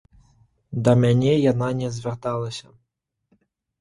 Да мяне яна не звярталася.